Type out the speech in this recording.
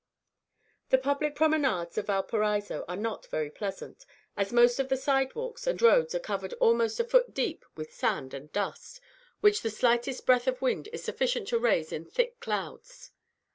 The public promenades of Valparaiso are not very pleasant, as most of the side walks and roads are covered almost a foot deep with sand and dust, which the slightest breath of wind is sufficient to raise in thick clouds.